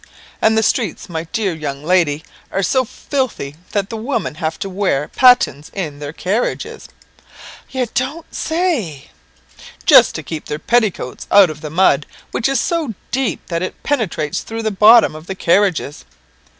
And the streets, my dear young lady, are so filthy that the women have to wear pattens in their carriages." "You don't say?" "Just to keep their petticoats out of the mud, which is so deep that it penetrates through the bottom of the carriages."